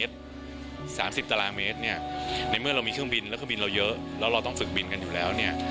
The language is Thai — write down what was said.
ถ้าเราไม่ใช้เครื่องบินแล้วเครื่องบินเราเยอะแล้วเราต้องฝึกบินกันอยู่แล้วเนี่ย